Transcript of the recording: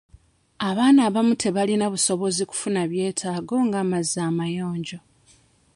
Abaana abamu tebalina busobozi kufuna byetaago ng'amazzi amayonjo.